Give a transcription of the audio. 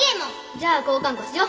じゃあ交換こしよう。